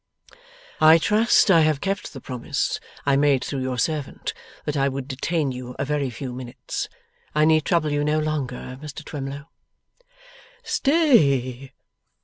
'I trust I have kept the promise I made through your servant, that I would detain you a very few minutes. I need trouble you no longer, Mr Twemlow.' 'Stay!